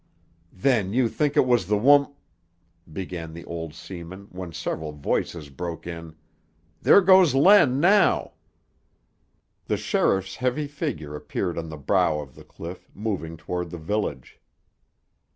"Then you think it was the wom—" began the old seaman when several voices broke in: "There goes Len now!" The sheriff's heavy figure appeared on the brow of the cliff, moving toward the village.